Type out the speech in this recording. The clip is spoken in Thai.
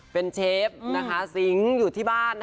เป็นเชฟนะคะสิงค์อยู่ที่บ้านนะคะ